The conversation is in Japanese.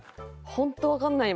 本当わかんないわ。